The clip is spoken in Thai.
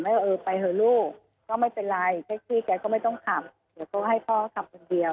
ว่าเออไปเถอะลูกก็ไม่เป็นไรแท็กซี่แกก็ไม่ต้องขับเดี๋ยวเขาให้พ่อขับคนเดียว